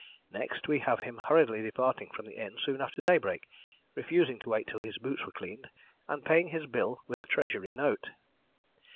Next, we have him hurriedly departing from the inn soon after daybreak, refusing to wait till his boots were cleaned, and paying his bill with a Treasury note.